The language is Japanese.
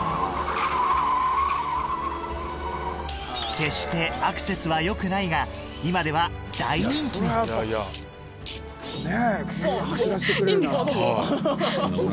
決してアクセスはよくないが今では大人気にいいんですか？